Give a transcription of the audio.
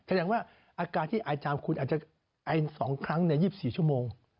แสดงว่าอาการที่อายจามคุณอาจจะไอ๒ครั้งใน๒๔ชั่วโมง